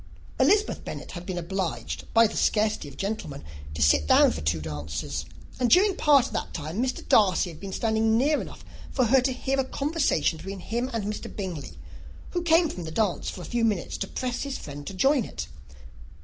Elizabeth Bennet had been obliged, by the scarcity of gentlemen, to sit down for two dances; and during part of that time, Mr. Darcy had been standing near enough for her to overhear a conversation between him and Mr. Bingley, who came from the dance for a few minutes to press his friend to join it.